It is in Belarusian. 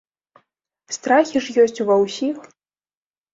Страхі ж ёсць у ва ўсіх!